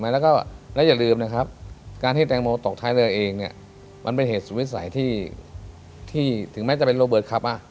และอย่าลืมนะครับการให้แตงโมตกท้ายเรือเองมันเป็นเหตุสุวิสัยที่ถึงไม่จะเป็นโลเบิร์ตคับ